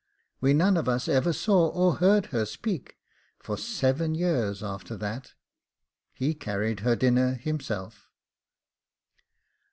We none of us ever saw or heard her speak for seven years after that: he carried her dinner himself.